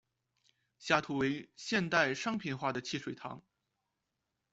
下图为现代商品化的汽水糖。